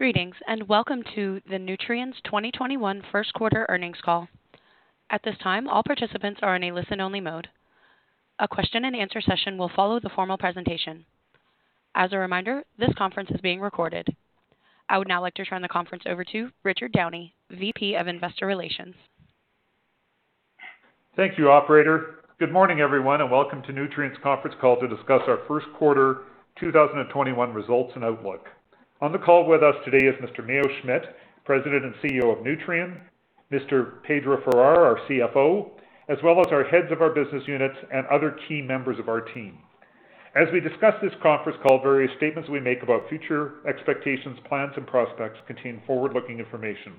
Greetings and welcome to Nutrien's 2021 First Quarter Earnings Call. At this time, all participants are in a listen-only mode. A question and answer session will follow the formal presentation. As a reminder, this conference is being recorded. I would now like to turn the conference over to Richard Downey, VP of Investor Relations. Thank you, operator. Good morning, everyone, and welcome to Nutrien's conference call to discuss our first quarter 2021 results and outlook. On the call with us today is Mr. Mayo Schmidt, President and CEO of Nutrien, Mr. Pedro Farah, our CFO, as well as our heads of our business units and other key members of our team. As we discuss this conference call, various statements we make about future expectations, plans, and prospects contain forward-looking information.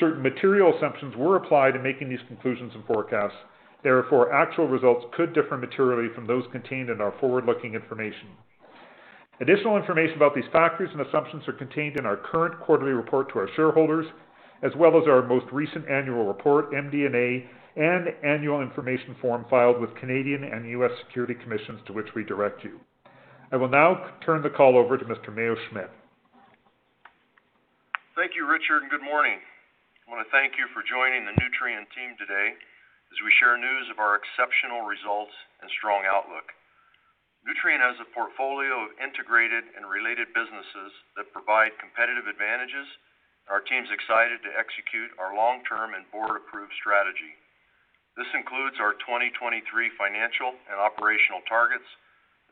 Certain material assumptions were applied in making these conclusions and forecasts. Therefore, actual results could differ materially from those contained in our forward-looking information. Additional information about these factors and assumptions are contained in our current quarterly report to our shareholders, as well as our most recent annual report, MD&A, and annual information form filed with Canadian and U.S. security commissions, to which we direct you. I will now turn the call over to Mr. Mayo Schmidt. Thank you, Richard, and good morning. I want to thank you for joining the Nutrien team today as we share news of our exceptional results and strong outlook. Nutrien has a portfolio of integrated and related businesses that provide competitive advantages, and our team's excited to execute our long-term and board-approved strategy. This includes our 2023 financial and operational targets,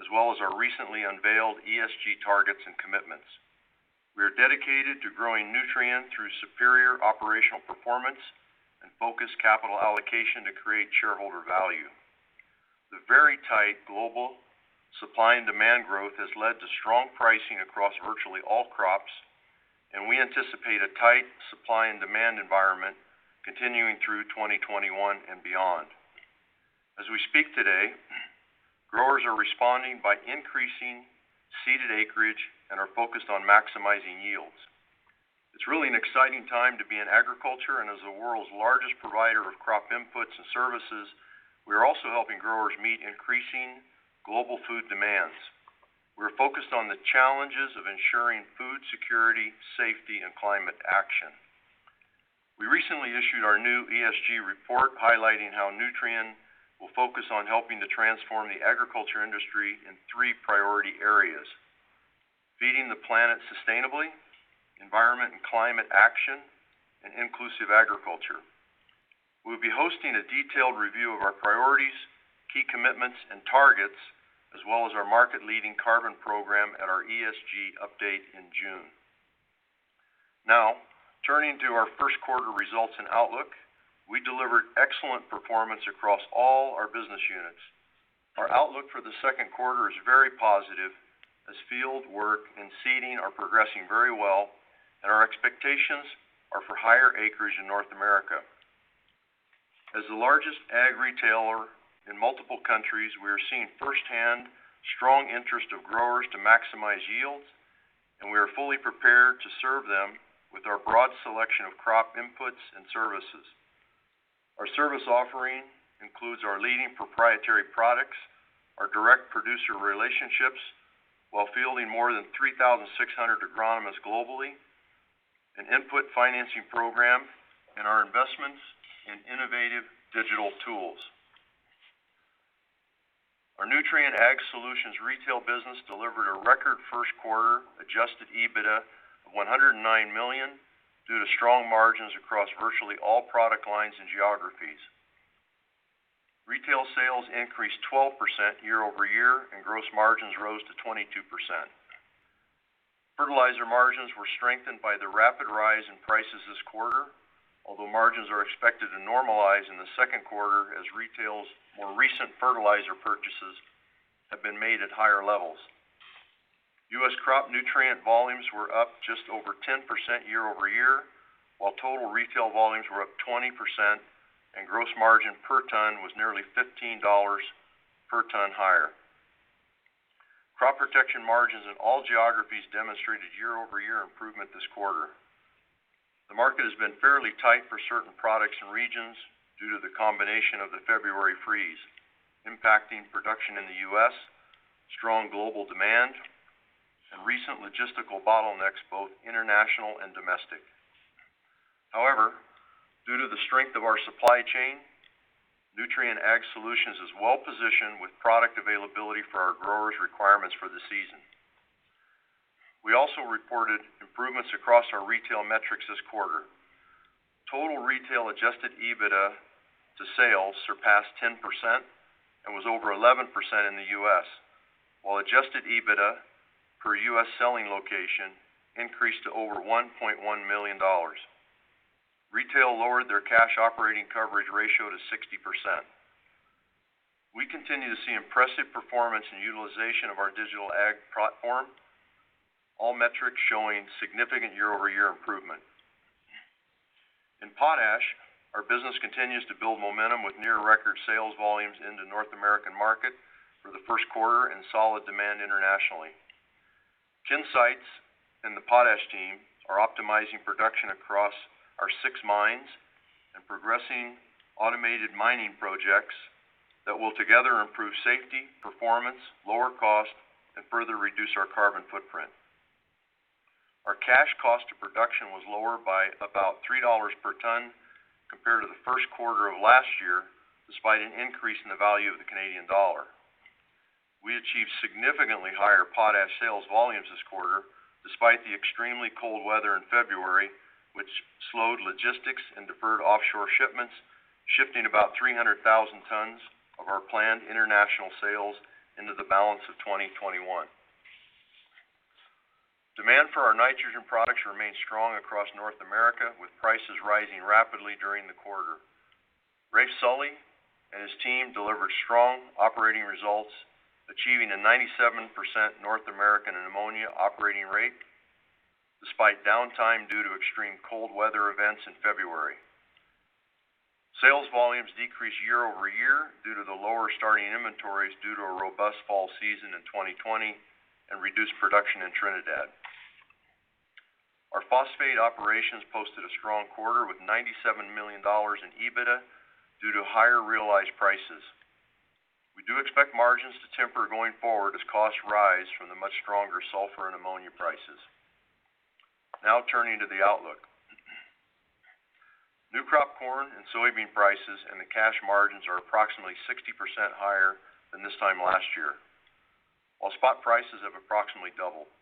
as well as our recently unveiled ESG targets and commitments. We are dedicated to growing Nutrien through superior operational performance and focused capital allocation to create shareholder value. The very tight global supply, and demand growth has led to strong pricing across virtually all crops and we anticipate a tight supply and demand environment continuing through 2021 and beyond. As we speak today, growers are responding by increasing seeded acreage and are focused on maximizing yields. It's really an exciting time to be in agriculture. As the world's largest provider of crop inputs and services, we are also helping growers meet increasing global food demands. We are focused on the challenges of ensuring food security, safety, and climate action. We recently issued our new ESG report highlighting how Nutrien will focus on helping to transform the agriculture industry in three priority areas: feeding the planet sustainably, environment and climate action, and inclusive agriculture. We'll be hosting a detailed review of our priorities, key commitments, and targets, as well as our market-leading carbon program at our ESG update in June. Now, turning to our first quarter results and outlook, we delivered excellent performance across all our business units. Our outlook for the second quarter is very positive, as field work and seeding are progressing very well, and our expectations are for higher acreage in North America. As the largest ag retailer in multiple countries, we are seeing firsthand strong interest of growers to maximize yields, and we are fully prepared to serve them with our broad selection of crop inputs and services. Our service offering includes our leading proprietary products, our direct producer relationships, while fielding more than 3,600 agronomists globally, an input financing program, and our investments in innovative digital tools. Our Nutrien Ag Solutions retail business delivered a record first quarter adjusted EBITDA of $109 million, due to strong margins across virtually all product lines and geographies. Retail sales increased 12% year-over-year, and gross margins rose to 22%. Fertilizer margins were strengthened by the rapid rise in prices this quarter, although margins are expected to normalize in the second quarter as retail's more recent fertilizer purchases have been made at higher levels. U.S. crop nutrient volumes were up just over 10% year-over-year, while total retail volumes were up 20%, and gross margin per ton was nearly $15 per ton higher. Crop protection margins in all geographies demonstrated year-over-year improvement this quarter. The market has been fairly tight for certain products and regions due to the combination of the February freeze impacting production in the U.S., strong global demand, and recent logistical bottlenecks, both international and domestic. However, due to the strength of our supply chain, Nutrien Ag Solutions is well-positioned with product availability for our growers' requirements for the season. We also reported improvements across our retail metrics this quarter. Total retail adjusted EBITDA to sales surpassed 10% and was over 11% in the U.S., while adjusted EBITDA per U.S. selling location increased to over $1.1 million. Retail lowered their cash operating coverage ratio to 60%. We continue to see impressive performance and utilization of our digital Ag platform, all metrics showing significant year-over-year improvement. In potash, our business continues to build momentum with near record sales volumes in the North American market for the first quarter and solid demand internationally. Ken Seitz and the potash team are optimizing production across our six mines and progressing automated mining projects that will together improve safety, performance, lower cost, and further reduce our carbon footprint. Our cash cost of production was lower by about $3 per ton compared to the first quarter of last year, despite an increase in the value of the Canadian dollar. We achieved significantly higher potash sales volumes this quarter, despite the extremely cold weather in February, which slowed logistics and deferred offshore shipments, shifting about 300,000 tons of our planned international sales into the balance of 2021. Demand for our nitrogen products remained strong across North America, with prices rising rapidly during the quarter. Raef Sully and his team delivered strong operating results, achieving a 97% North American ammonia operating rate, despite downtime due to extreme cold weather events in February. Sales volumes decreased year-over-year due to the lower starting inventories, due to a robust fall season in 2020, and reduced production in Trinidad. Our phosphate operations posted a strong quarter with $97 million in EBITDA due to higher realized prices. We do expect margins to temper going forward as costs rise from the much stronger sulfur and ammonia prices. Now turning to the outlook, new crop corn and soybean prices and the cash margins are approximately 60% higher than this time last year, while spot prices have approximately doubled.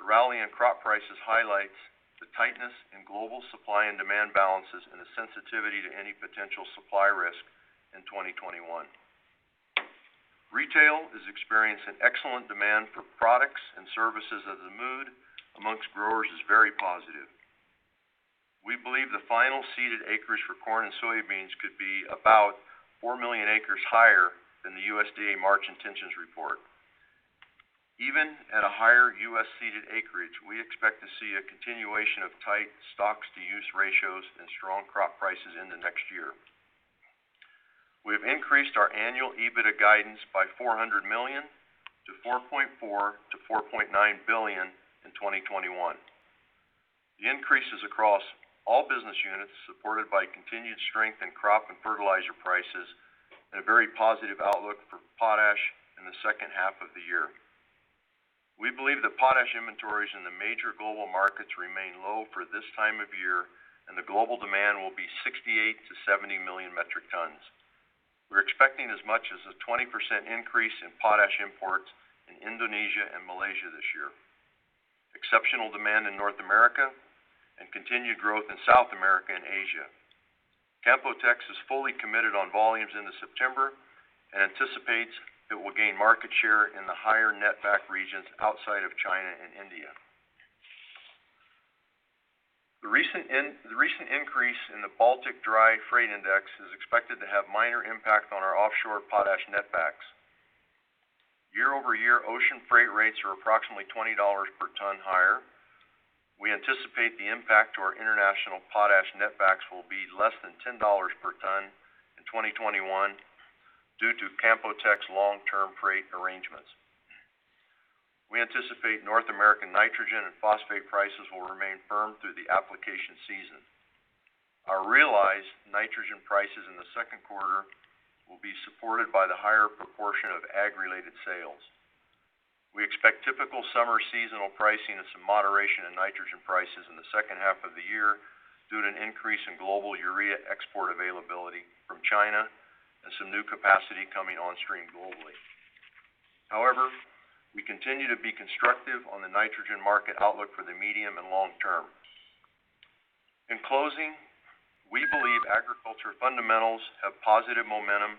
The rally in crop prices highlights the tightness in global supply and demand balances and the sensitivity to any potential supply risk in 2021. Retail is experiencing excellent demand for products and services as the mood amongst growers is very positive. We believe the final seeded acreage for corn and soybeans could be about 4 million acres higher than the USDA March intentions report. Even at a higher U.S. seeded acreage, we expect to see a continuation of tight stocks-to-use ratios and strong crop prices into next year. We have increased our annual EBITDA guidance by $400 million to $4.4 billion to $4.9 billion in 2021. The increase is across all business units, supported by continued strength in crop and fertilizer prices, and a very positive outlook for potash in the second half of the year. We believe that potash inventories in the major global markets remain low for this time of year, and the global demand will be 68 to 70 million metric tons. We're expecting as much as a 20% increase in potash imports in Indonesia and Malaysia this year, exceptional demand in North America, and continued growth in South America and Asia. Canpotex is fully committed on volumes into September and anticipates it will gain market share in the higher netback regions outside of China and India. The recent increase in the Baltic dry freight index is expected to have minor impact on our offshore potash netbacks. Year-over-year, ocean freight rates are approximately $20 per ton higher. We anticipate the impact to our international potash netbacks will be less than $10 per ton in 2021 due to Canpotex's long-term freight arrangements. We anticipate North American nitrogen and phosphate prices will remain firm through the application season. Our realized nitrogen prices in the second quarter will be supported by the higher proportion of ag-related sales. We expect typical summer seasonal pricing and some moderation in nitrogen prices in the second half of the year due to an increase in global urea export availability from China and some new capacity coming on stream globally. However, we continue to be constructive on the nitrogen market outlook for the medium and long term. In closing, we believe agriculture fundamentals have positive momentum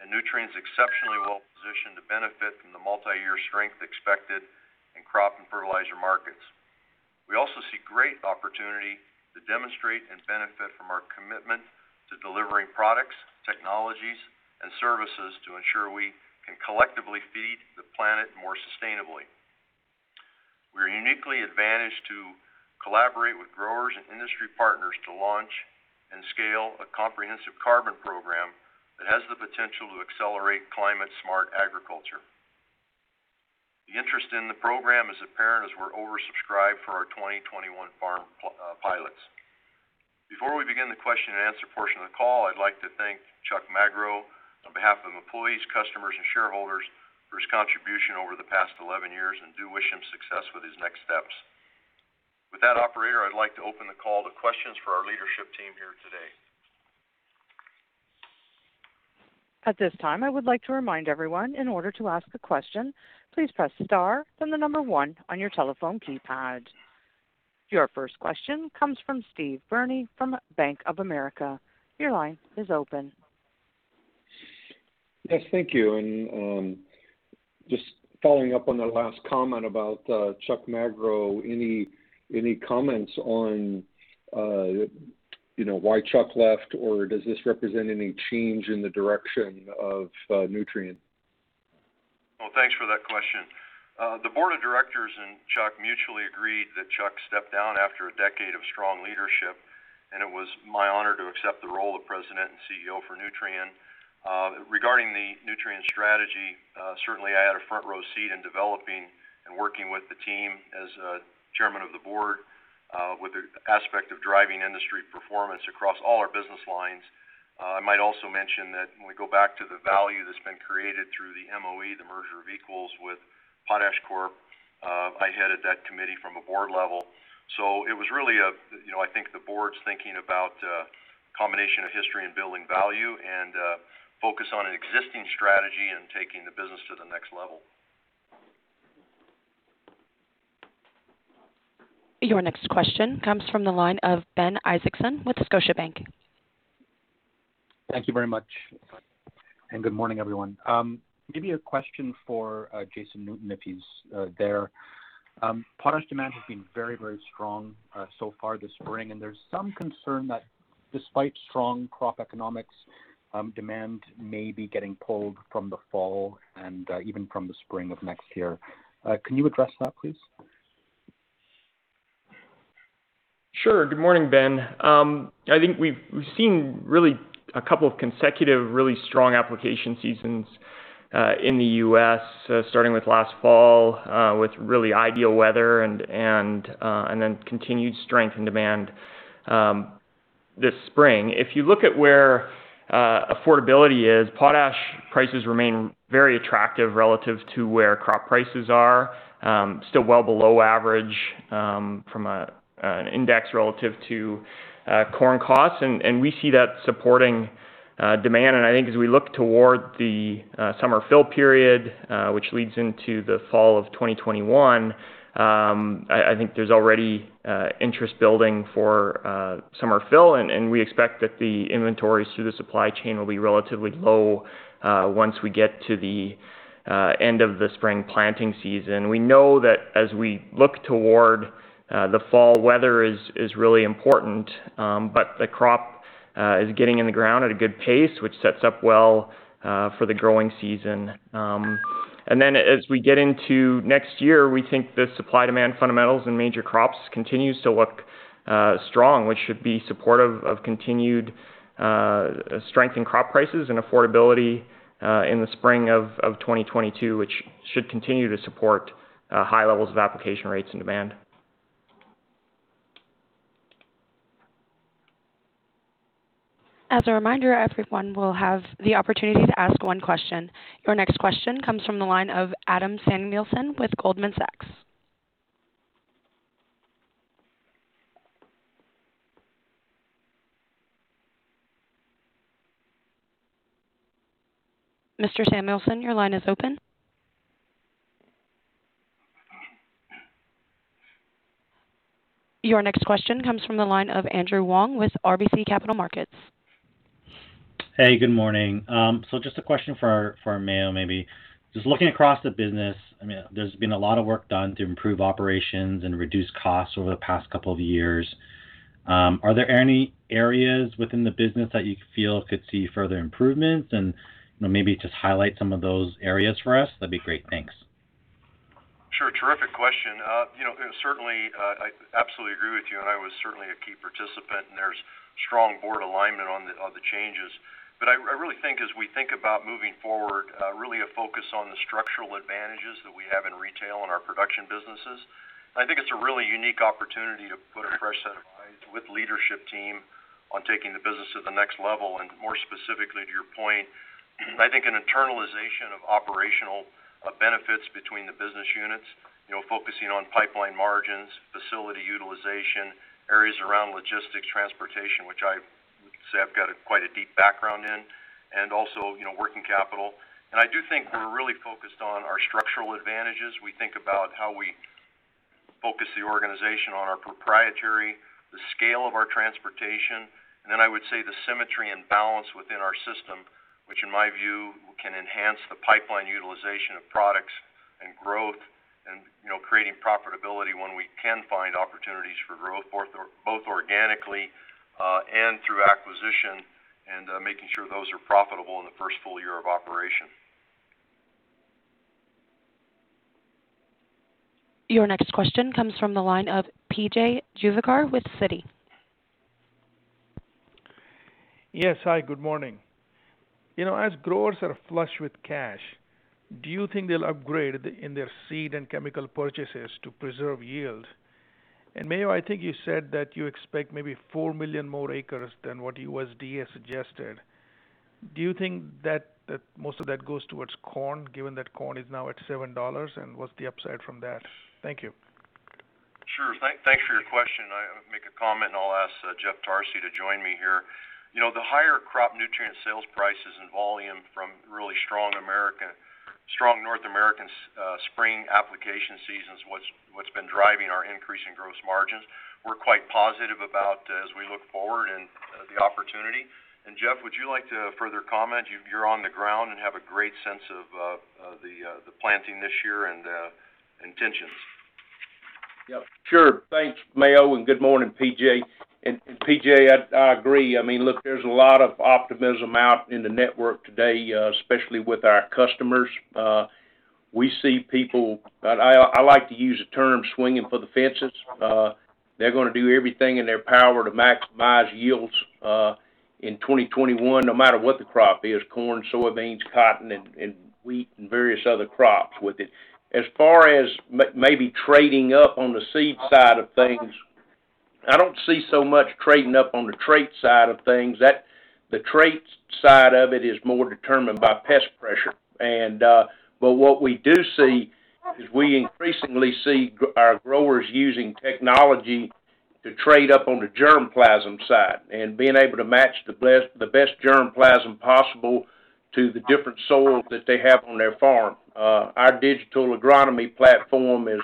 and Nutrien's exceptionally well positioned to benefit from the multi-year strength expected in crop and fertilizer markets. We also see great opportunity to demonstrate and benefit from our commitment to delivering products, technologies, and services to ensure we can collectively feed the planet more sustainably. We are uniquely advantaged to collaborate with growers and industry partners to launch and scale a comprehensive carbon program that has the potential to accelerate climate-smart agriculture. The interest in the program is apparent as we're oversubscribed for our 2021 farm pilots. Before we begin the question and answer portion of the call, I'd like to thank Chuck Magro on behalf of employees, customers, and shareholders for his contribution over the past 11 years, and do wish him success with his next steps. With that, operator, I'd like to open the call to questions for our leadership team here today. At this time, I would like to remind everyone, in order to ask a question, please press star then the number one on your telephone keypad. Your first question comes from Steve Byrne from Bank of America. Your line is open. Yes, thank you, and just following up on the last comment about Chuck Magro, any comments on, you know, why Chuck left or does this represent any change in the direction of Nutrien? Well, thanks for that question. The Board of Directors and Chuck mutually agreed that Chuck step down after a decade of strong leadership, and it was my honor to accept the role of President and CEO for Nutrien. Regarding the Nutrien strategy, certainly, I had a front row seat in developing and working with the team as Chairman of the Board with the aspect of driving industry performance across all our business lines. I might also mention that when we go back to the value that's been created through the MOE, the merger of equals with PotashCorp, I headed that committee from a board level. It was really, I think the Board's thinking about a combination of history and building value and focus on an existing strategy and taking the business to the next level. Your next question comes from the line of Ben Isaacson with Scotiabank. Thank you very much, and good morning, everyone. Maybe a question for Jason Newton, if he's there. Potash demand has been very strong so far this spring, and there's some concern that despite strong crop economics, demand may be getting pulled from the fall and even from the spring of next year. Can you address that, please? Sure. Good morning, Ben. I think we've seen really a couple of consecutive, really strong application seasons in the U.S. starting with last fall with really ideal weather and then continued strength in demand this spring. If you look at where affordability is, potash prices remain very attractive relative to where crop prices are, still well below average from an index relative to corn costs, and we see that supporting demand. I think as we look toward the summer fill period which leads into the fall of 2021, I think there's already interest building for summer fill, and we expect that the inventories through the supply chain will be relatively low once we get to the end of the spring planting season. We know that as we look toward the fall, weather is really important, but the crop is getting in the ground at a good pace, which sets up well for the growing season. Then as we get into next year, we think the supply-demand fundamentals in major crops continues to look strong, which should be supportive of continued strength in crop prices and affordability in the spring of 2022, which should continue to support high levels of application rates and demand. As a reminder, everyone will have the opportunity to ask one question. Your next question comes from the line of Adam Samuelson with Goldman Sachs. Mr. Samuelson, your line is open. Your next question comes from the line of Andrew Wong with RBC Capital Markets. Hey, good morning. Just a question for Mayo, maybe, just looking across the business, I mean, there's been a lot of work done to improve operations and reduce costs over the past couple of years. Are there any areas within the business that you feel could see further improvements? Maybe just highlight some of those areas for us. That'd be great. Thanks. Sure, terrific question, you know, certainly, I absolutely agree with you, and I was certainly a key participant, and there's strong board alignment on the changes. I really think as we think about moving forward, really a focus on the structural advantages that we have in retail and our production businesses. I think it's a really unique opportunity to put a fresh set of eyes with leadership team on taking the business to the next level. More specifically to your point, I think an internalization of operational benefits between the business units, focusing on pipeline margins, facility utilization, areas around logistics, transportation, which I would say I've got quite a deep background in, and also working capital. I do think we're really focused on our structural advantages. We think about how we focus the organization on our proprietary, the scale of our transportation, and then I would say the symmetry and balance within our system, which in my view, can enhance the pipeline utilization of products and growth and creating profitability when we can find opportunities for growth, both organically and through acquisition, and making sure those are profitable in the first full year of operation. Your next question comes from the line of PJ Juvekar with Citi. Yes. Hi, good morning. You know, as growers are flush with cash, do you think they'll upgrade in their seed and chemical purchases to preserve yield? Mayo, I think you said that you expect maybe 4 million more acres than what USDA suggested. Do you think that most of that goes towards corn, given that corn is now at $7, and what's the upside from that? Thank you. Sure. Thanks for your question. I'll make a comment, and I'll ask Jeff Tarsi to join me here. You know, the higher crop nutrient sales prices and volume from really strong North American spring application season's what's been driving our increase in gross margins. We're quite positive about as we look forward and the opportunity. Jeff, would you like to further comment? You're on the ground and have a great sense of the planting this year and intentions. Yeah, sure, thanks, Mayo, and good morning, PJ. PJ, I agree. I mean, look, there's a lot of optimism out in the network today, especially with our customers. We see people, I like to use the term swinging for the fences. They're going to do everything in their power to maximize yields in 2021, no matter what the crop is, corn, soybeans, cotton, and wheat, and various other crops with it. As far as maybe trading up on the seed side of things, I don't see so much trading up on the traits side of things. The traits side of it is more determined by pest pressure. What we do see is we increasingly see our growers using technology to trade up on the germplasm side and being able to match the best germplasm possible to the different soil that they have on their farm. Our digital agronomy platform is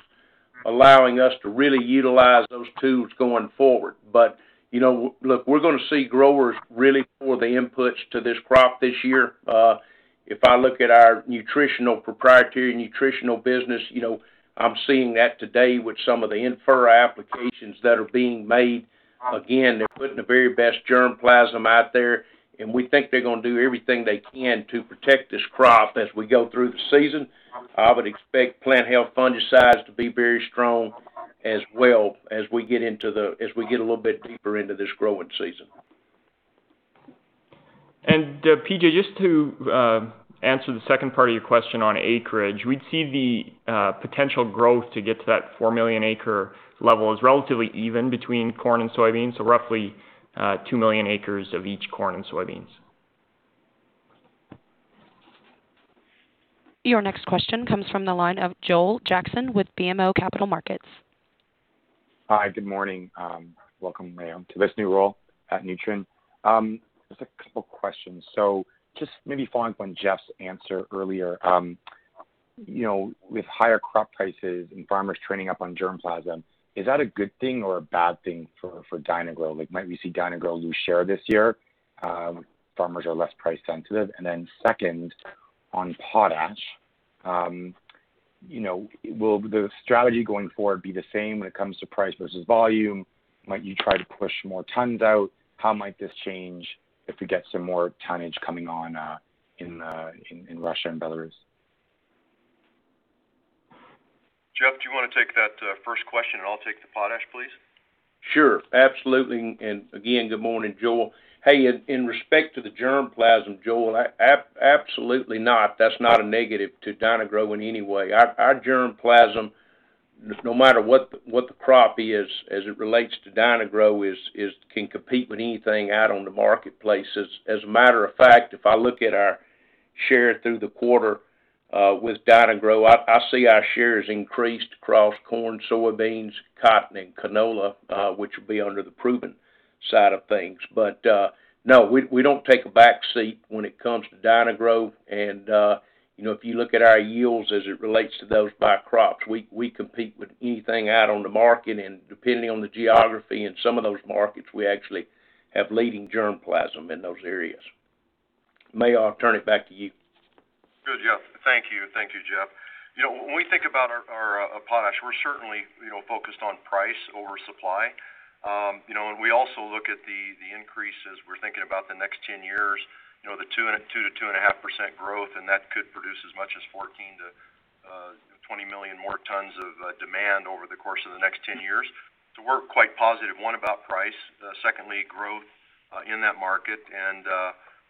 allowing us to really utilize those tools going forward. Look, we're going to see growers really pull the inputs to this crop this year. If I look at our proprietary nutritional business, you know, I'm seeing that today with some of the in-furrow applications that are being made. Again, they're putting the very best germplasm out there, and we think they're going to do everything they can to protect this crop as we go through the season. I would expect plant health fungicides to be very strong as well, as we get a little bit deeper into this growing season. PJ, just to answer the second part of your question on acreage, we'd see the potential growth to get to that 4 million acre level is relatively even between corn and soybeans, so roughly 2 million acres of each corn and soybeans. Your next question comes from the line of Joel Jackson with BMO Capital Markets. Hi, good morning. Welcome, Mayo, to this new role at Nutrien. Just a couple questions, just maybe following up on Jeff's answer earlier. With higher crop prices and farmers training up on germplasm, is that a good thing or a bad thing for Dyna-Gro? Might we see Dyna-Gro lose share this year? Farmers are less price sensitive. Second, on potash. Will the strategy going forward be the same when it comes to price versus volume? Might you try to push more tons out? How might this change if we get some more tonnage coming on in Russia and Belarus? Jeff, do you want to take that first question and I'll take the potash, please? Sure, absolutely, and good morning, Joel. In respect to the germplasm, Joel, absolutely not. That's not a negative to Dyna-Gro in any way. Our germplasm, no matter what the crop is as it relates to Dyna-Gro can compete with anything out on the marketplace. As a matter of fact, if I look at our share through the quarter with Dyna-Gro, I see our shares increased across corn, soybeans, cotton, and canola, which would be under the prudent side of things. No, we don't take a back seat when it comes to Dyna-Gro. If you look at our yields as it relates to those by crops, we compete with anything out on the market and depending on the geography in some of those markets, we actually have leading germplasm in those areas. Mayo, I'll turn it back to you. Good, Jeff. Thank you. Thank you, Jeff. When we think about our potash, we're certainly focused on price over supply. We also look at the increases. We're thinking about the next 10 years, you know, the 2% and 2.5% growth, and that could produce as much as 14 million to 20 million more tons of demand over the course of the next 10 years. We're quite positive, one, about price, secondly, growth in that market, and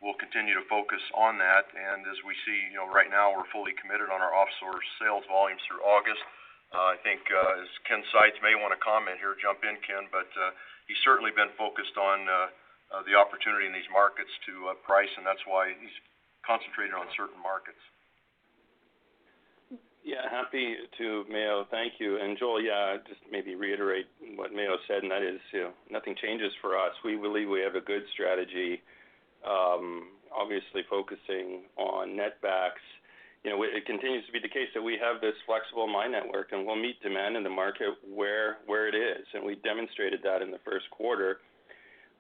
we'll continue to focus on that. As we see right now, we're fully committed on our offshore sales volumes through August. I think as Ken Seitz may want to comment here, jump in, Ken, but he's certainly been focused on the opportunity in these markets to price, and that's why he's concentrated on certain markets. Yeah, happy to, Mayo. Thank you, and Joel, yeah, just maybe reiterate what Mayo said. That is nothing changes for us. We believe we have a good strategy obviously focusing on net backs. It continues to be the case that we have this flexible mine network, and we'll meet demand in the market where it is. We demonstrated that in the first quarter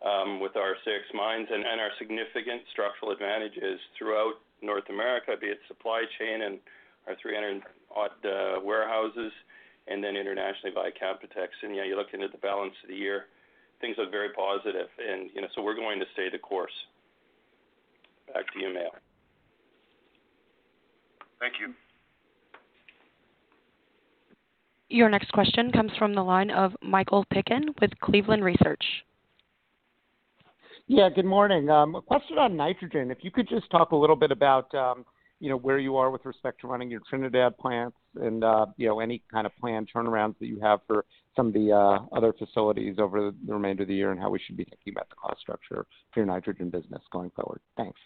with our six mines and our significant structural advantages throughout North America, be it supply chain and our 300 odd warehouses, then internationally by Canpotex. Yeah, you're looking at the balance of the year, things look very positive and, you know, so we're going to stay the course. Back to you, Mayo. Thank you. Your next question comes from the line of Michael Piken with Cleveland Research. Yeah, good morning, a question on nitrogen. If you could just talk a little bit about where you are with respect to running your Trinidad plants and any kind of planned turnarounds that you have for some of the other facilities over the remainder of the year and how we should be thinking about the cost structure for your nitrogen business going forward. Thanks.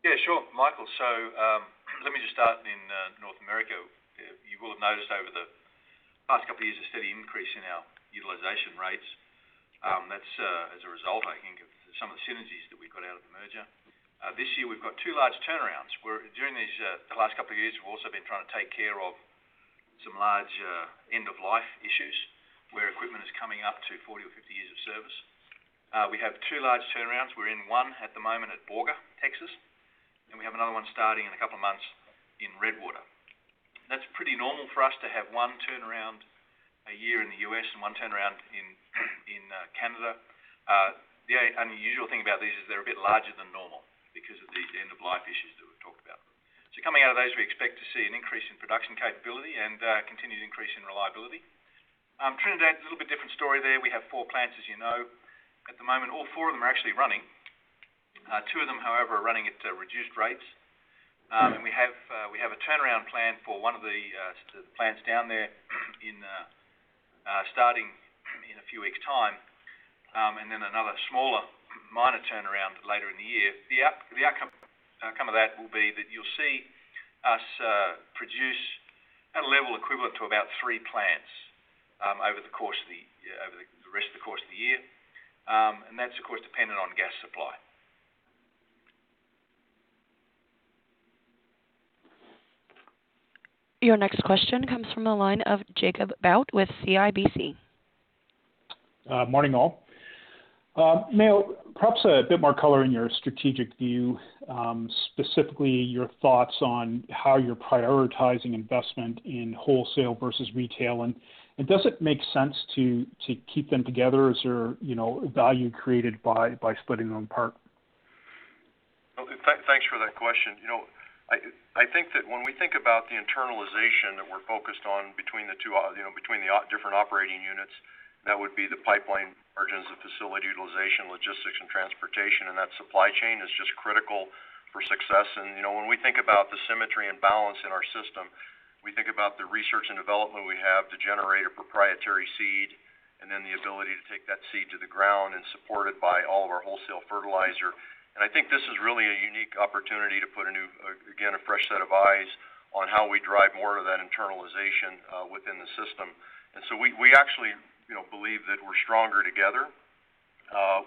Yeah, sure, Michael. Let me just start in North America. You will have noticed over the past couple of years a steady increase in our utilization rates. That's as a result, I think, of some of the synergies that we got out of the merger. This year we've got two large turnarounds where during the last couple of years, we've also been trying to take care of some large end-of-life issues where equipment is coming up to 40 years or 50 years of service. We have two large turnarounds. We're in one at the moment at Borger, Texas, and we have another one starting in a couple of months in Redwater. That's pretty normal for us to have one turnaround. A year in the U.S. and one turnaround in Canada. The unusual thing about these is they're a bit larger than normal because of the end-of-life issues that we've talked about. Coming out of those, we expect to see an increase in production capability and continued increase in reliability. Trinidad, a little bit different story there. We have four plants, as you know. At the moment, all four of them are actually running, two of them, however, are running at reduced rates. We have a turnaround planned for one of the plants down there, starting in a few weeks' time, and then another smaller minor turnaround later in the year. The outcome of that will be that you'll see us produce at a level equivalent to about three plants over the rest of the course of the year. That's, of course, dependent on gas supply. Your next question comes from the line of Jacob Bout with CIBC. Morning, all. Mayo, perhaps a bit more color in your strategic view, specifically your thoughts on how you're prioritizing investment in wholesale versus retail. Does it make sense to keep them together? Is there value created by splitting them apart? Okay. Thanks for that question. I think that when we think about the internalization that we're focused on between the different operating units, that would be the pipeline origins of facility utilization, logistics and transportation, and that supply chain is just critical for success. When we think about the symmetry and balance in our system, we think about the research and development we have to generate a proprietary seed, and then the ability to take that seed to the ground and support it by all of our wholesale fertilizer. I think this is really a unique opportunity to put a new, again, a fresh set of eyes on how we drive more of that internalization within the system. We actually believe that we're stronger together.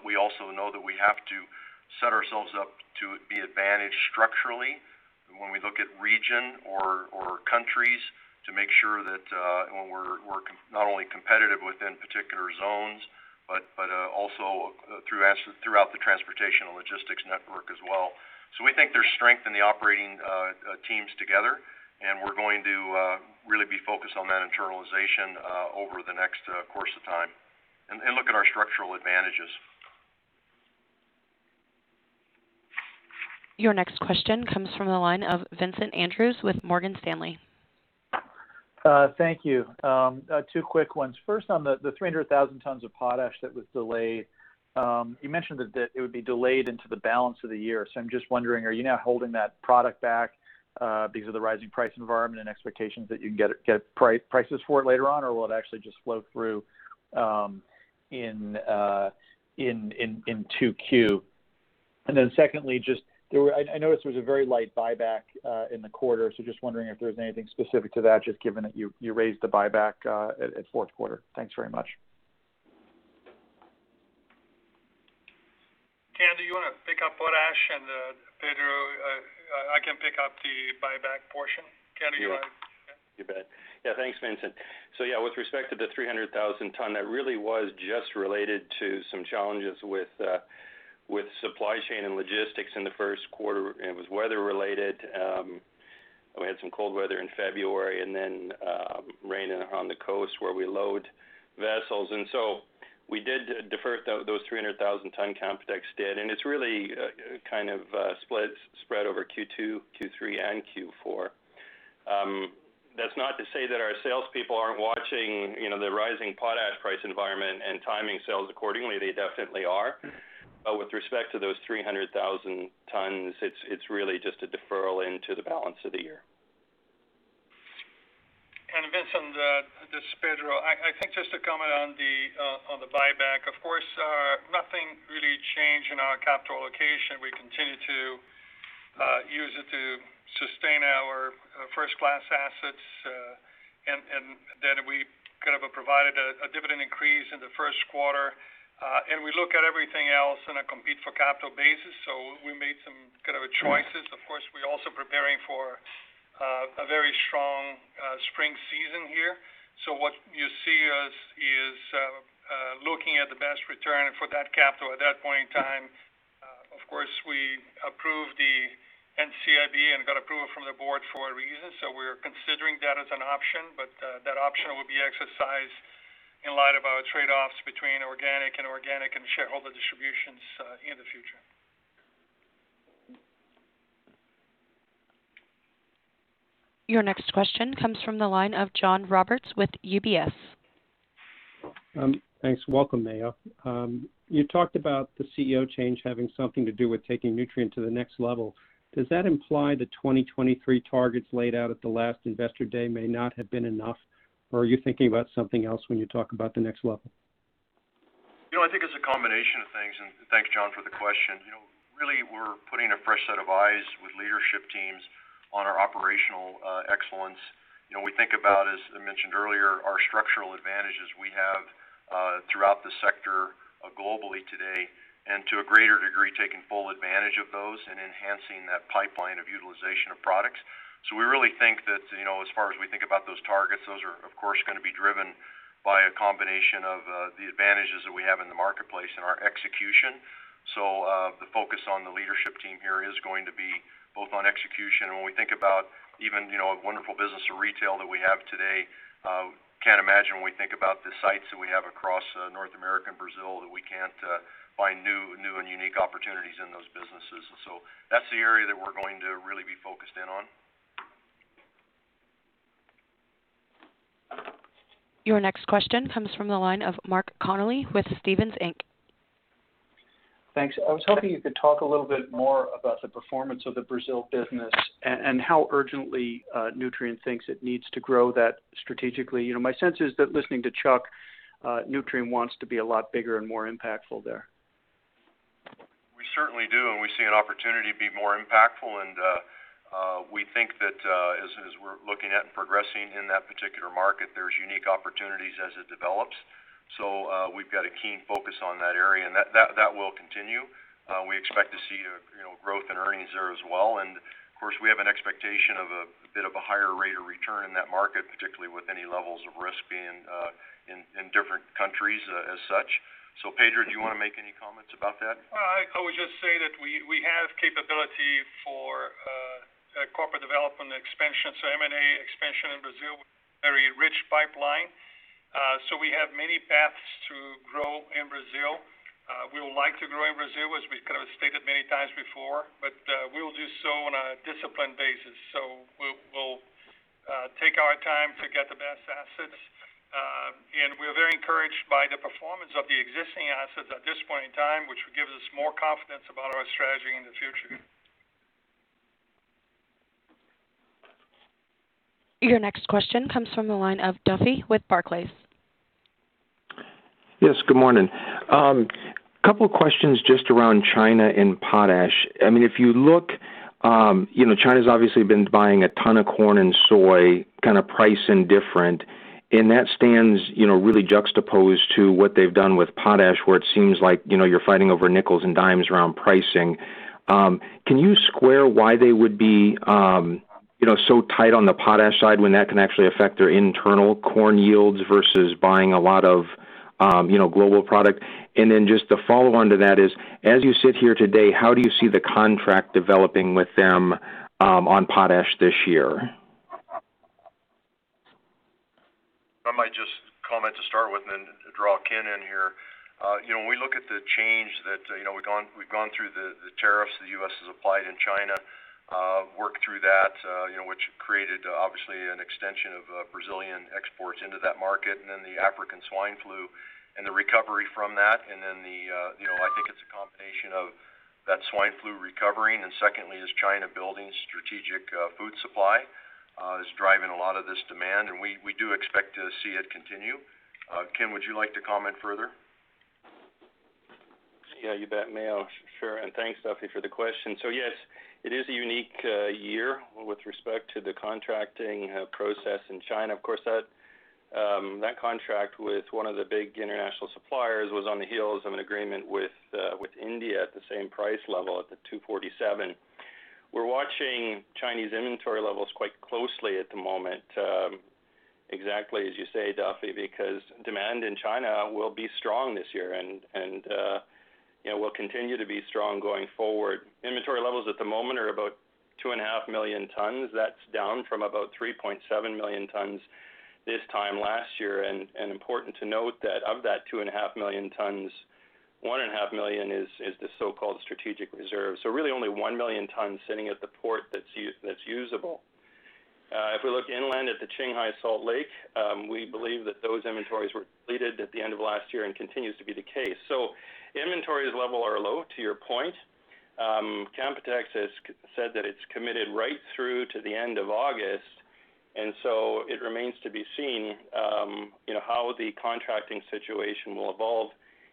We also know that we have to set ourselves up to be advantaged structurally when we look at region or countries to make sure that we're not only competitive within particular zones, but also throughout the transportation logistics network as well. We think there's strength in the operating teams together, and we're going to really be focused on that internalization over the next course of time and look at our structural advantages. Your next question comes from the line of Vincent Andrews with Morgan Stanley. Thank you. Two quick ones, first, on the 300,000 tons of potash that was delayed. You mentioned that it would be delayed into the balance of the year. I'm just wondering, are you now holding that product back because of the rising price environment and expectations that you can get prices for it later on, or will it actually just flow through in 2Q? Secondly, I noticed there was a very light buyback in the quarter, so just wondering if there was anything specific to that, just given that you raised the buyback at fourth quarter. Thanks very much. Ken, do you want to pick up potash, and Pedro, I can pick up the buyback portion. Ken, do you want to do that? You bet. Yeah, thanks, Vincent. Yeah, with respect to the 300,000 ton, that really was just related to some challenges with supply chain and logistics in the first quarter, and it was weather related. We had some cold weather in February and then rain on the coast where we load vessels. We did defer those 300,000 ton Canpotex did, and it's really kind of spread over Q2, Q3, and Q4. That's not to say that our salespeople aren't watching the rising potash price environment and timing sales accordingly. They definitely are. With respect to those 300,000 tons, it's really just a deferral into the balance of the year. Vincent, this is Pedro. I think just to comment on the buyback, of course, nothing really changed in our capital allocation. We continue to use it to sustain our first-class assets. We kind of provided a dividend increase in the first quarter. We look at everything else in a compete for capital basis. We made some kind of choices. Of course, we're also preparing for a very strong spring season here. What you see us is looking at the best return for that capital at that point in time. Of course, we approved the NCIB and got approval from the board for a reason. We're considering that as an option, but that option will be exercised in light of our trade-offs between organic and shareholder distributions in the future. Your next question comes from the line of John Roberts with UBS. Thanks. Welcome, Mayo. You talked about the CEO change having something to do with taking Nutrien to the next level. Does that imply the 2023 targets laid out at the last Investor Day may not have been enough, or are you thinking about something else when you talk about the next level? I think it's a combination of things, and thanks, John, for the question. You know, really, we're putting a fresh set of eyes with leadership teams on our operational excellence. We think about, as I mentioned earlier, our structural advantages we have throughout the sector globally today, and to a greater degree, taking full advantage of those and enhancing that pipeline of utilization of products. We really think that as far as we think about those targets, those are, of course, going to be driven by a combination of the advantages that we have in the marketplace and our execution. The focus on the leadership team here is going to be both on execution. When we think about even a wonderful business of retail that we have today, I can't imagine when we think about the sites that we have across North America and Brazil, that we can't find new and unique opportunities in those businesses. That's the area that we're going to really be focused in on. Your next question comes from the line of Mark Connelly with Stephens Inc. Thanks. I was hoping you could talk a little bit more about the performance of the Brazil business and how urgently Nutrien thinks it needs to grow that strategically. You know, my sense is that listening to Chuck, Nutrien wants to be a lot bigger and more impactful there. We certainly do, and we see an opportunity to be more impactful. We think that as we're looking at and progressing in that particular market, there's unique opportunities as it develops. We've got a keen focus on that area, and that will continue. We expect to see growth in earnings there as well. Of course, we have an expectation of a bit of a higher rate of return in that market, particularly with any levels of risk being in different countries as such. Pedro, do you want to make any comments about that? I would just say that we have capability for corporate development expansion. M&A expansion in Brazil, very rich pipeline. We have many paths to grow in Brazil. We would like to grow in Brazil, as we kind of stated many times before, but we will do so on a disciplined basis. We'll take our time to get the best assets. We are very encouraged by the performance of the existing assets at this point in time, which gives us more confidence about our strategy in the future. Your next question comes from the line of Duffy with Barclays. Yes, good morning. Couple questions just around China and potash. I mean, if you look, China's obviously been buying a ton of corn and soy, kind of price indifferent, and that stands really juxtaposed to what they've done with potash, where it seems like you're fighting over nickels and dimes around pricing. Can you square why they would be so tight on the potash side when that can actually affect their internal corn yields versus buying a lot of global product? Then just the follow-on to that is, as you sit here today, how do you see the contract developing with them on potash this year? I might just comment to start with and then draw Ken in here. When we look at the change that we've gone through the tariffs the U.S. has applied in China, worked through that which created obviously an extension of Brazilian exports into that market, and then the African swine fever and the recovery from that. I think it's a combination of that African swine flu recovering, and secondly is China building strategic food supply is driving a lot of this demand, and we do expect to see it continue. Ken, would you like to comment further? Yeah, you bet, Mayo, sure and thanks, Duffy, for the question. Yes, it is a unique year with respect to the contracting process in China. Of course, that contract with one of the big international suppliers was on the heels of an agreement with India at the same price level at the $247. We're watching Chinese inventory levels quite closely at the moment, exactly as you say, Duffy, because demand in China will be strong this year and will continue to be strong going forward. Inventory levels at the moment are about 2.5 million tons, so that's down from about 3.7 million tons this time last year, and important to note that of that 2.5 million tons, 1.5 million is the so-called strategic reserve, so really only 1 million tons sitting at the port that's usable. If we look inland at the Qinghai Salt Lake, we believe that those inventories were depleted at the end of last year and continues to be the case. Inventories level are low, to your point. Canpotex has said that it's committed right through to the end of August. It remains to be seen how the contracting situation will evolve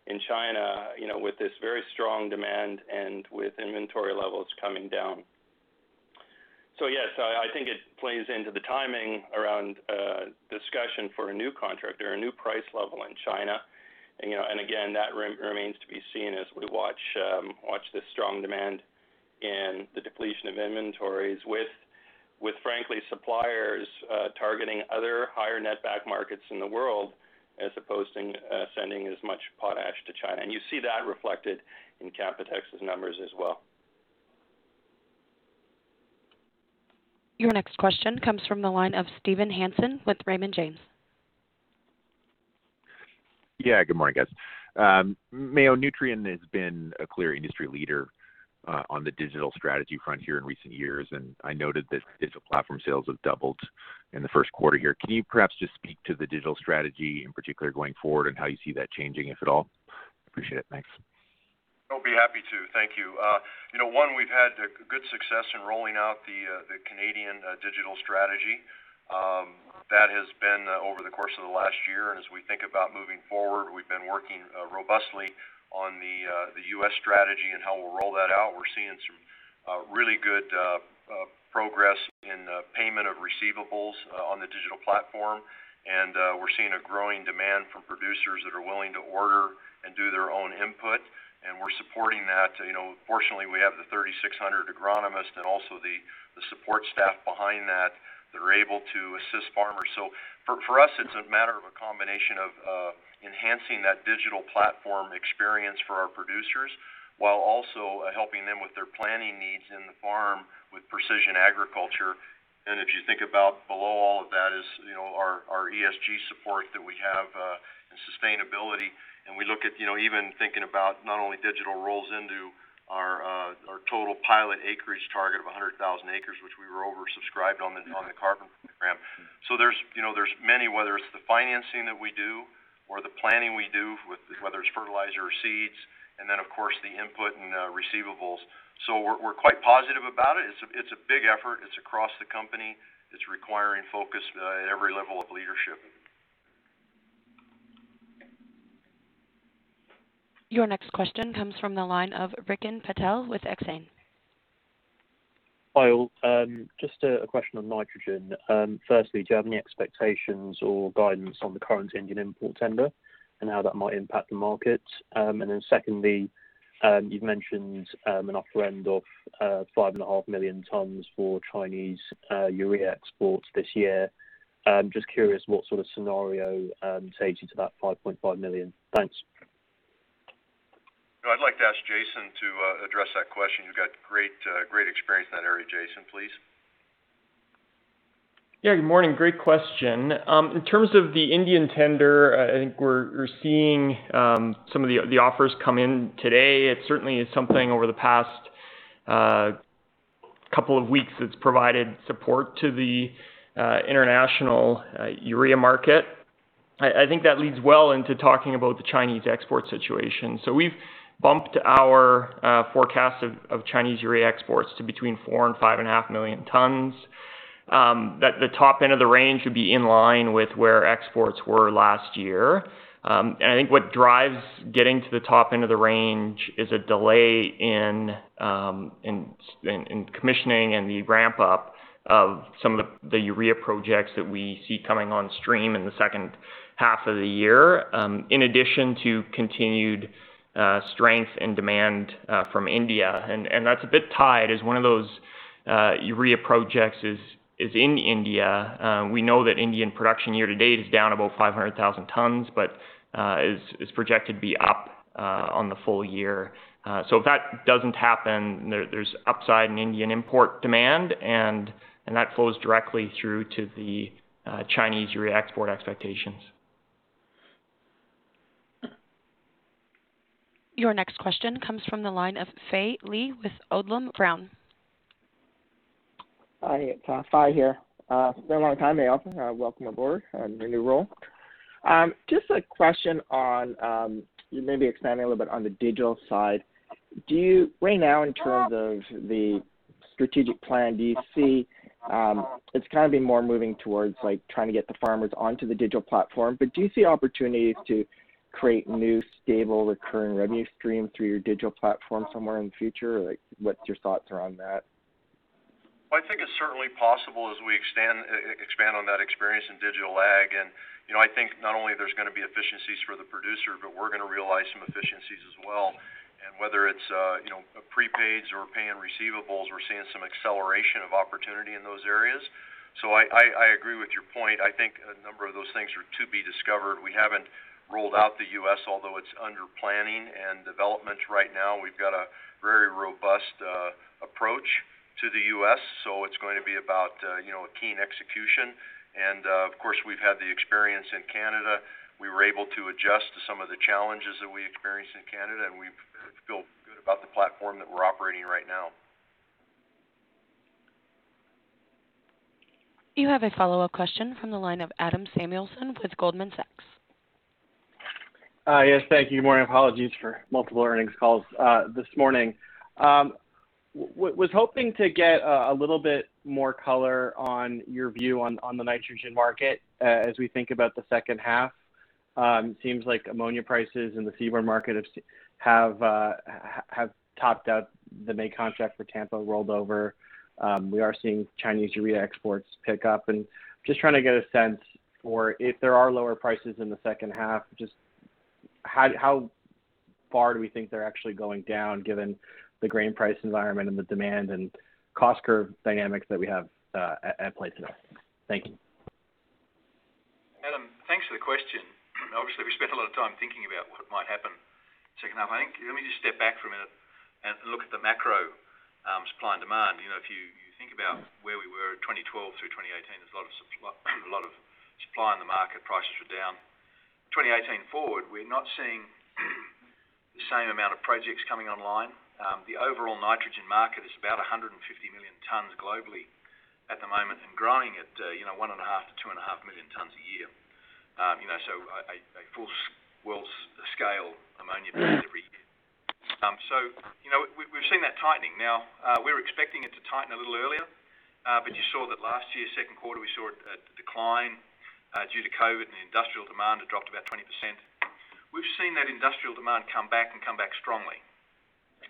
in China with this very strong demand and with inventory levels coming down. Yes, I think it plays into the timing around discussion for a new contract or a new price level in China. Again, that remains to be seen as we watch this strong demand and the depletion of inventories with, frankly, suppliers targeting other higher net back markets in the world as opposed to sending as much potash to China. You see that reflected in Canpotex's numbers as well. Your next question comes from the line of Steven Hansen with Raymond James. Yeah, good morning, guys. Mayo Schmidt, Nutrien has been a clear industry leader on the digital strategy front here in recent years, and I noted that digital platform sales have doubled in the first quarter here. Can you perhaps just speak to the digital strategy in particular going forward and how you see that changing, if at all? I'd appreciate it. Thanks. I'll be happy to. Thank you. We've had good success in rolling out the Canadian digital strategy. That has been over the course of the last year, and as we think about moving forward, we've been working robustly on the U.S. strategy and how we'll roll that out. We're seeing some really good progress in payment of receivables on the digital platform, and we're seeing a growing demand from producers that are willing to order and do their own input, and we're supporting that. Fortunately, we have the 3,600 agronomists and also the support staff behind that that are able to assist farmers. For us, it's a matter of a combination of enhancing that digital platform experience for our producers, while also helping them with their planning needs in the farm with precision agriculture. If you think about below all of that is our ESG support that we have, and sustainability, and we look at, you know, even thinking about not only digital rolls into our total pilot acreage target of 100,000 acres, which we were oversubscribed on the carbon program. There's many, whether it's the financing that we do or the planning we do, whether it's fertilizer or seeds, and then, of course, the input and receivables. We're quite positive about it. It's a big effort. It's across the company. It's requiring focus at every level of leadership. Your next question comes from the line of Rikin Patel with Exane. Mayo, just a question on nitrogen. Firstly, do you have any expectations or guidance on the current Indian import tender and how that might impact the market? Secondly, you've mentioned an upper end of 5.5 million tons for Chinese urea exports this year. I'm just curious what sort of scenario takes you to that 5.5 million. Thanks. I'd like to ask Jason to address that question. You've got great experience in that area. Jason, please. Yeah, good morning, great question. In terms of the Indian tender, I think we're seeing some of the offers come in today. It certainly is something over the past couple of weeks that's provided support to the international urea market. I think that leads well into talking about the Chinese export situation. We've bumped our forecast of Chinese urea exports to between 4 million and 5.5 million tons. That the top end of the range would be in line with where exports were last year. I think what drives getting to the top end of the range is a delay in commissioning and the ramp-up of some of the urea projects that we see coming on stream in the second half of the year. In addition to continued strength and demand from India and that's a bit tied as one of those urea projects is in India. We know that Indian production year to date is down about 500,000 tons, is projected to be up on the full-year. If that doesn't happen, there's upside in Indian import demand, that flows directly through to the Chinese urea export expectations. Your next question comes from the line of Fai Lee with Odlum Brown. Hi, Fai here. Its been a long time, Mayo. Welcome aboard on your new role. Just a question on, maybe expanding a little bit on the digital side. Right now in terms of the strategic plan, it's kind of been more moving towards trying to get the farmers onto the digital platform, but do you see opportunities to create new, stable, recurring revenue stream through your digital platform somewhere in the future? What's your thoughts around that? Well, I think it's certainly possible as we expand on that experience in digital ag. I think not only there's going to be efficiencies for the producer, but we're going to realize some efficiencies as well. Whether it's prepaids or pay and receivables, we're seeing some acceleration of opportunity in those areas. I agree with your point. I think a number of those things are to be discovered. We haven't ruled out the U.S. although it's under planning and development right now. We've got a very robust approach to the U.S. It's going to be about a keen execution. Of course, we've had the experience in Canada. We were able to adjust to some of the challenges that we experienced in Canada, and we feel good about the platform that we're operating right now. You have a follow-up question from the line of Adam Samuelson with Goldman Sachs. Yes, thank you, my apologies for multiple earnings calls this morning. Was hoping to get a little bit more color on your view on the nitrogen market as we think about the second half. It seems like ammonia prices in the seaborne market have topped out, the May contract for Tampa rolled over. We are seeing Chinese urea exports pick up, and just trying to get a sense for if there are lower prices in the second half, just how far do we think they're actually going down given the grain price environment and the demand and cost curve dynamics that we have at play today? Thank you. Adam, thanks for the question and, obviously, we spent a lot of time thinking about what might happen second half. I think let me just step back for a minute and look at the macro supply and demand. If you think about where we were 2012 through 2018, there's a lot of supply in the market, prices were down. 2018 forward, we're not seeing the same amount of projects coming online. The overall nitrogen market is about 150 million tons globally at the moment and growing at 1.5 million to 2.5 million tons a year so, you know, a full world scale ammonia every year. We've seen that tightening now. We were expecting it to tighten a little earlier, but you saw that last year, second quarter, we saw a decline due to COVID and the industrial demand had dropped about 20%. We've seen that industrial demand come back and come back strongly.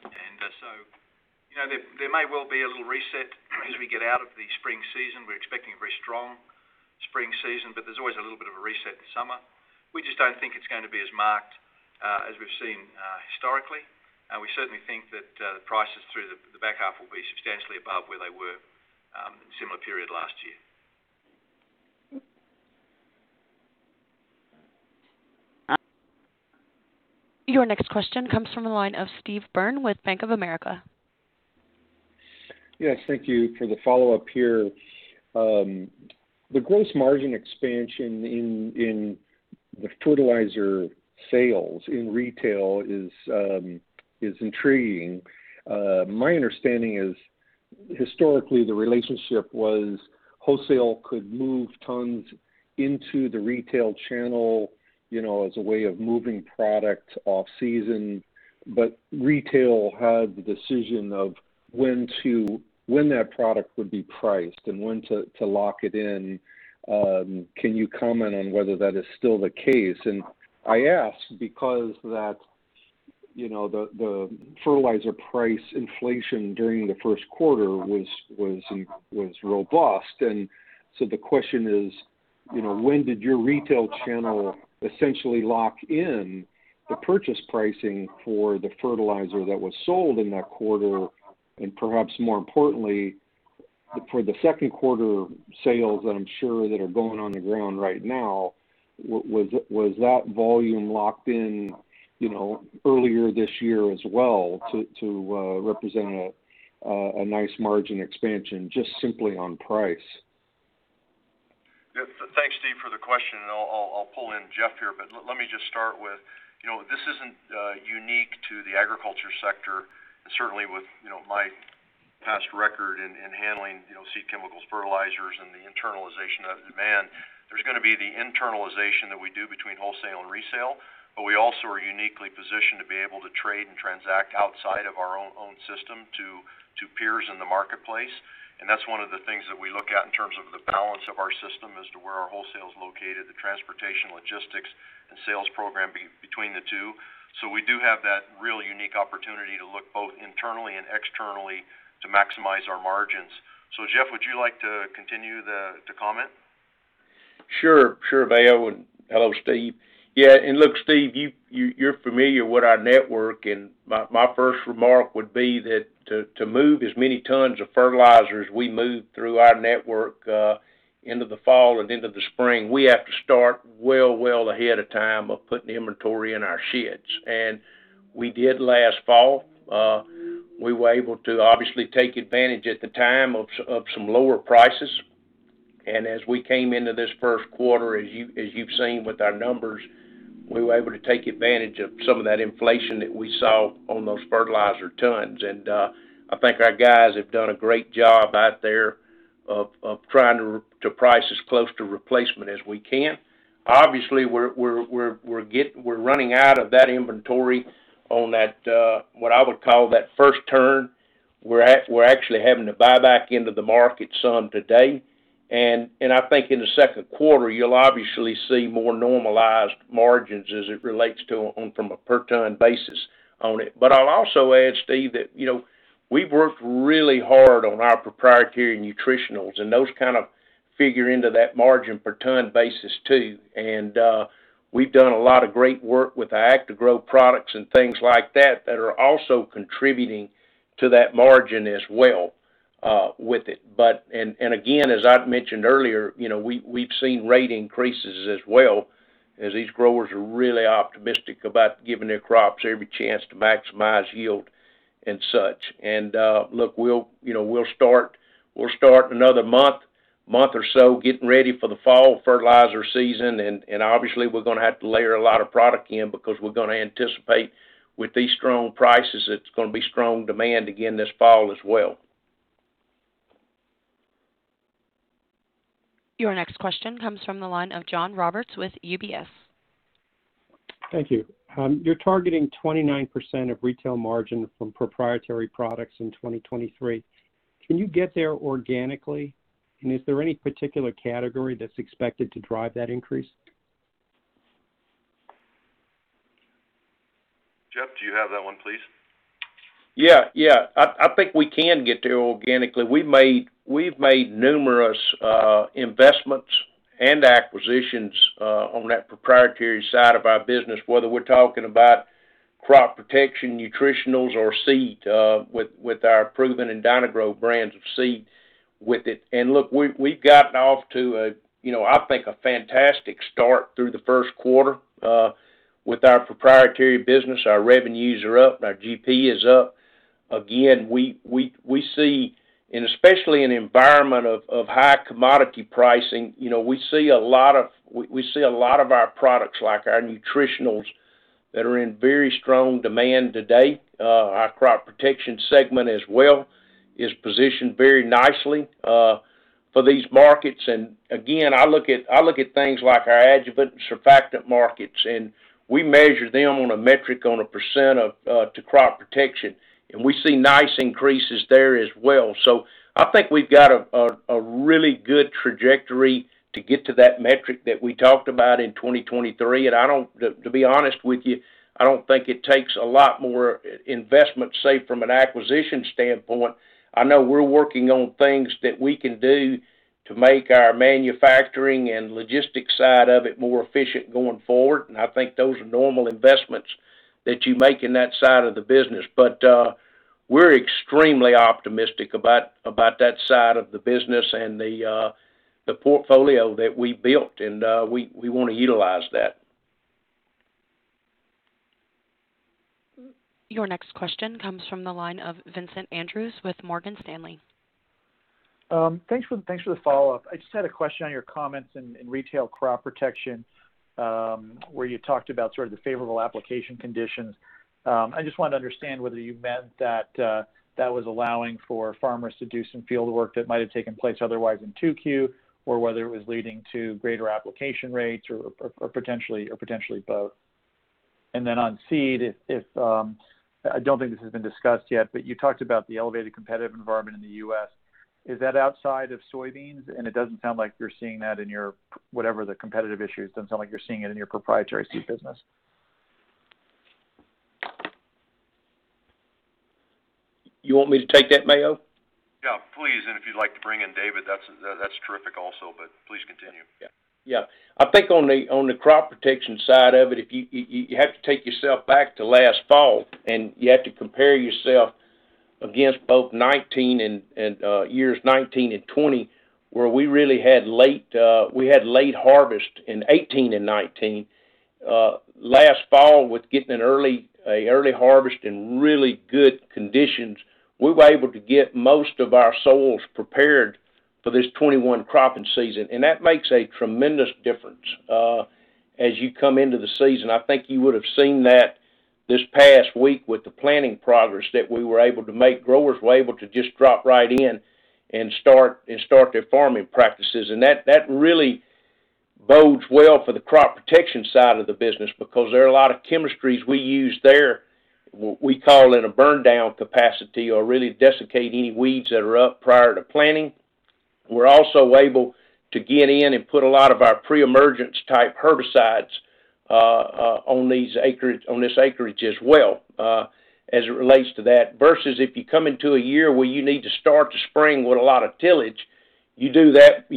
There may well be a little reset as we get out of the spring season. We're expecting a very strong spring season, but there's always a little bit of a reset in summer. We just don't think it's going to be as much as we've seen historically, and we certainly think that the prices through the back half will be substantially above where they were in a similar period last year. Your next question comes from the line of Steve Byrne with Bank of America. Yes. Thank you for the follow-up here. The gross margin expansion in the fertilizer sales in retail is intriguing. My understanding is historically the relationship was wholesale could move tons into the retail channel, you know, as a way of moving product off season, but retail had the decision of when that product would be priced and when to lock it in. Can you comment on whether that is still the case? I ask because the fertilizer price inflation during the first quarter was robust. The question is, when did your retail channel essentially lock in the purchase pricing for the fertilizer that was sold in that quarter? Perhaps more importantly, for the second quarter sales that I'm sure that are going on the ground right now, was that volume locked in, you know, earlier this year as well to represent a nice margin expansion just simply on price? Thanks, Steve, for the question, and I'll pull in Jeff here, but let me just start with, this isn't unique to the agriculture sector, and certainly with my past record in handling seed chemicals, fertilizers, and the internalization of demand, there's going to be the internalization that we do between wholesale and retail, but we also are uniquely positioned to be able to trade and transact outside of our own system to peers in the marketplace. That's one of the things that we look at in terms of the balance of our system as to where our wholesale's located, the transportation, logistics, and sales program between the two. We do have that real unique opportunity to look both internally and externally to maximize our margins. Jeff, would you like to continue to comment? Sure. Sure, Mayo. Hello, Steve. Yeah. Look, Steve, you're familiar with our network and my first remark would be that to move as many tons of fertilizers we move through our network into the fall and into the spring, we have to start well, well ahead of time of putting inventory in our sheds. We did last fall. We were able to obviously take advantage at the time of some lower prices. As we came into this first quarter, as you've seen with our numbers, we were able to take advantage of some of that inflation that we saw on those fertilizer tons. I think our guys have done a great job out there of trying to price as close to replacement as we can. Obviously, we're running out of that inventory on that what I would call that first turn. We're actually having to buy back into the market some today. I think in the second quarter, you'll obviously see more normalized margins as it relates to on from a per ton basis on it. I'll also add, Steve, that we've worked really hard on our proprietary nutritionals and those kind of figure into that margin per ton basis too. We've done a lot of great work with our Actagro products and things like that are also contributing to that margin as well with it. Again, as I've mentioned earlier, we've seen rate increases as well as these growers are really optimistic about giving their crops every chance to maximize yield and such. Look, we'll start another month or so getting ready for the fall fertilizer season, and obviously, we're going to have to layer a lot of product in because we're going to anticipate with these strong prices, it's going to be strong demand again this fall as well. Your next question comes from the line of John Roberts with UBS. Thank you. You're targeting 29% of retail margin from proprietary products in 2023. Can you get there organically? Is there any particular category that's expected to drive that increase? Jeff, do you have that one, please? I think we can get there organically. We've made numerous investments and acquisitions on that proprietary side of our business, whether we're talking about crop protection, nutritionals or seed with our Proven and Dyna-Gro brands of seed with it. Look, we've gotten off to a, you know, I think a fantastic start through the first quarter with our proprietary business. Our revenues are up, our GP is up. Again, we see and especially in an environment of high commodity pricing, we see a lot of our products like our nutritionals that are in very strong demand today. Our crop protection segment as well is positioned very nicely for these markets. Again, I look at things like our adjuvant and surfactant markets, and we measure them on a metric on a percent to crop protection, and we see nice increases there as well. I think we've got a really good trajectory to get to that metric that we talked about in 2023. To be honest with you, I don't think it takes a lot more investment, say, from an acquisition standpoint. I know we're working on things that we can do to make our manufacturing and logistics side of it more efficient going forward, and I think those are normal investments that you make in that side of the business. We're extremely optimistic about that side of the business and the portfolio that we built, and we want to utilize that. Your next question comes from the line of Vincent Andrews with Morgan Stanley. Thanks for the follow-up. I just had a question on your comments in retail crop protection, where you talked about sort of the favorable application conditions. I just wanted to understand whether you meant that that was allowing for farmers to do some field work that might have taken place otherwise in 2Q, or whether it was leading to greater application rates or potentially both. On seed, I don't think this has been discussed yet, but you talked about the elevated competitive environment in the U.S. Is that outside of soybeans? It doesn't sound like you're seeing that in your, whatever the competitive issue is, it doesn't sound like you're seeing it in your proprietary seed business. You want me to take that, Mayo? Yeah, please. If you'd like to bring in David, that's terrific also. Please continue. Yeah. I think on the crop protection side of it, you have to take yourself back to last fall, and you have to compare yourself against both years 2019 and 2020, where we really had late harvest in 2018 and 2019. Last fall with getting an early harvest in really good conditions, we were able to get most of our soils prepared for this 2021 cropping season, and that makes a tremendous difference as you come into the season. I think you would have seen that this past week with the planting progress that we were able to make. Growers were able to just drop right in and start their farming practices. That really bodes well for the crop protection side of the business because there are a lot of chemistries we use there, we call it a burn down capacity or really desiccate any weeds that are up prior to planting. We're also able to get in and put a lot of our pre-emergence type herbicides on this acreage as well as it relates to that versus if you come into a year where you need to start the spring with a lot of tillage, you do that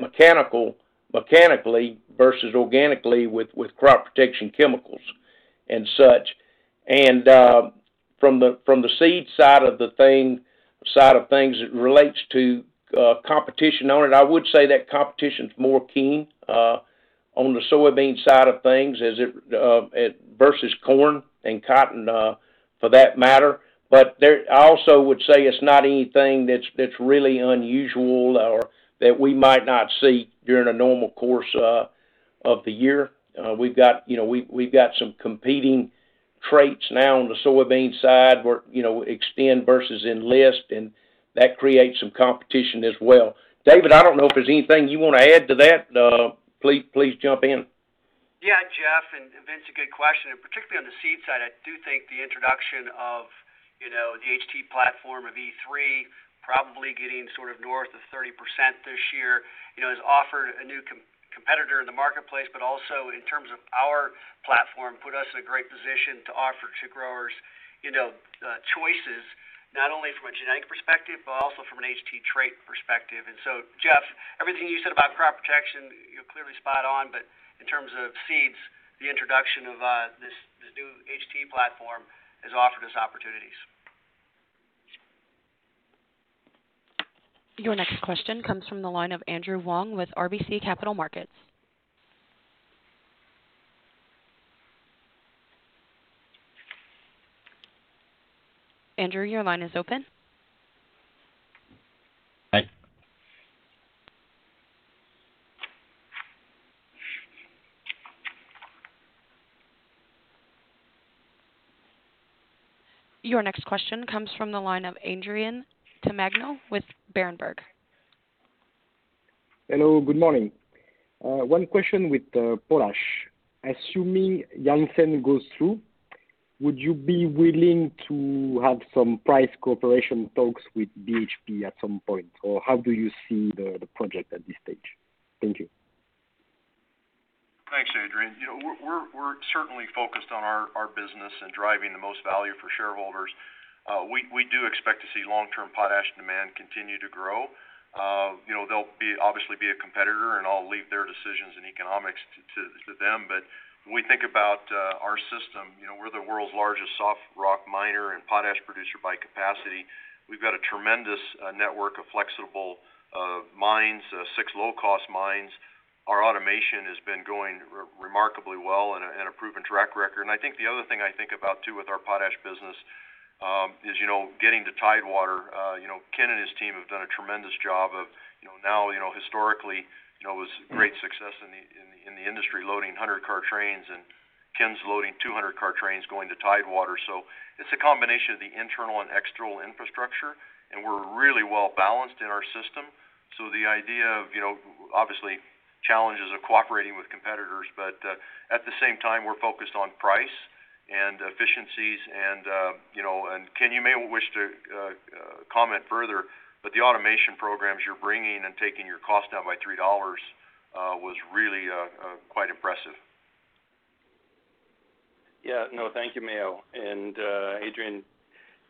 mechanically versus organically with crop protection chemicals and such. From the seed side of things, it relates to competition on it. I would say that competition is more keen on the soybean side of things versus corn and cotton for that matter. I also would say it's not anything that's really unusual or that we might not see during a normal course of the year. We've got some competing traits now on the soybean side where, you know, Xtend versus Enlist, and that creates some competition as well. David, I don't know if there's anything you want to add to that. Please jump in. Yeah, Jeff, Vince, a good question, and particularly on the seed side, I do think the introduction of the HT platform of E3, probably getting sort of north of 30% this year, has offered a new competitor in the marketplace, but also in terms of our platform, put us in a great position to offer to growers, you know, choices, not only from a genetic perspective, but also from an HT trait perspective. Jeff, everything you said about crop protection, you're clearly spot on. In terms of seeds, the introduction of this new HT platform has offered us opportunities. Your next question comes from the line of Andrew Wong with RBC Capital Markets. Andrew, your line is open. Your next question comes from the line of Adrien Tamagno with Berenberg. Hello, good morning. One question with potash, assuming Jansen goes through, would you be willing to have some price cooperation talks with BHP at some point? How do you see the project at this stage? Thank you. Thanks, Adrien. We're certainly focused on our business and driving the most value for shareholders. We do expect to see long-term potash demand continue to grow. They'll obviously be a competitor. I'll leave their decisions and economics to them. When we think about our system, we're the world's largest soft rock miner and potash producer by capacity. We've got a tremendous network of flexible mines, six low-cost mines. Our automation has been going remarkably well and a proven track record. I think the other thing I think about too with our potash business is, you know, getting to Tidewater. Ken and his team have done a tremendous job of now historically, it was great success in the industry loading 100-car trains, and Ken's loading 200-car trains going to Tidewater. It's a combination of the internal and external infrastructure, and we're really well balanced in our system. The idea of obviously challenges of cooperating with competitors, but at the same time, we're focused on price and efficiencies. Ken, you may wish to comment further, but the automation programs you're bringing and taking your cost down by $3 was really quite impressive. Yeah. No, thank you, Mayo, and Adrien,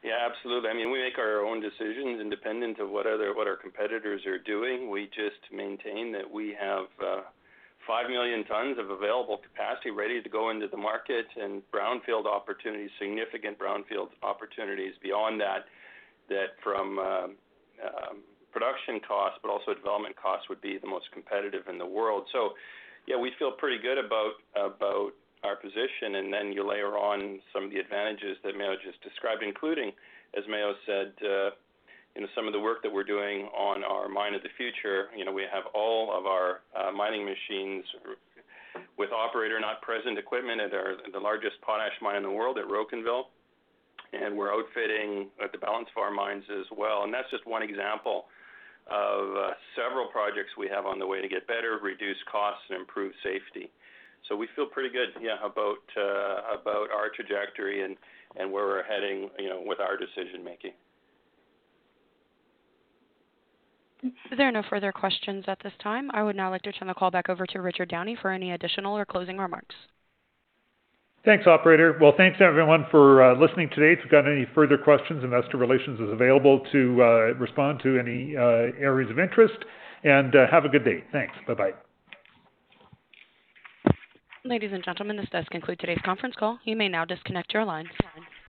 yeah, absolutely. We make our own decisions independent of what our competitors are doing. We just maintain that we have 5 million tons of available capacity ready to go into the market and significant brownfield opportunities beyond that from a production cost, but also development cost would be the most competitive in the world. Yeah, we feel pretty good about our position. Then you layer on some of the advantages that Mayo just described, including, as Mayo said, some of the work that we're doing on our Mine of the Future. We have all of our mining machines with operator not present equipment at the largest potash mine in the world at Rocanville. We're outfitting the balance of our mines as well and that's just one example of several projects we have on the way to get better, reduce costs, and improve safety. We feel pretty good about our trajectory and where we're heading with our decision-making. There are no further questions at this time. I would now like to turn the call back over to Richard Downey for any additional or closing remarks. Thanks, operator. Well, thanks everyone for listening today. If you've got any further questions, investor relations is available to respond to any areas of interest, and have a good day. Thanks. Bye-bye. Ladies and gentlemen, this does conclude today's conference call. You may now disconnect your lines.